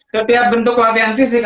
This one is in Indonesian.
setiap bentuk latihan fisik